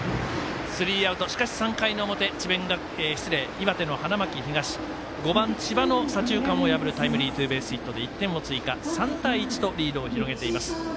スリーアウト、しかし３回の表岩手の花巻東、５番千葉の左中間を破るタイムリーヒットで１点を追加３対１とリードをしています。